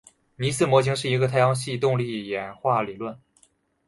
尼斯模型是一个太阳系动力演化理论。